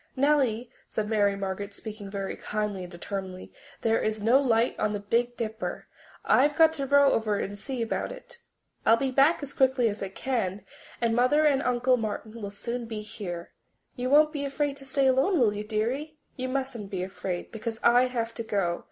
"Nellie," said Mary Margaret, speaking very kindly and determinedly, "there is no light on the Big Dipper and I've got to row over and see about it. I'll be back as quickly as I can, and Mother and Uncle Martin will soon be here. You won't be afraid to stay alone, will you, dearie? You mustn't be afraid, because I have to go.